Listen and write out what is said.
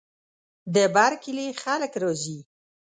د بر کلي خلک راځي.